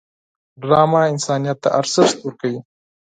ډرامه انسانیت ته ارزښت ورکوي